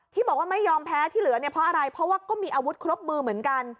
ที่บอกว่าไม่ยอมแพ้ที่เหลือเนี่ยเพราะอะไรเพราะว่าก็มีอาวุธครบมือเหมือนกัน